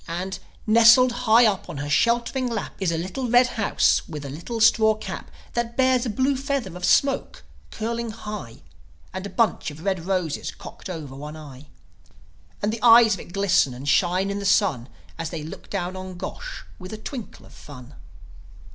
And, nestled high up on her sheltering lap, Is a little red house with a little straw cap That bears a blue feather of smoke, curling high, And a bunch of red roses cocked over one eye. And the eyes of it glisten and shine in the sun, As they look down on Gosh with a twinkle of fun.